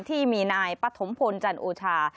ที่มีนายปฐมพลจันโอชา